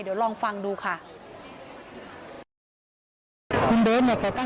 เดี๋ยวลองฟังดูค่ะ